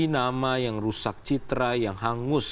nama yang rusak citra yang hangus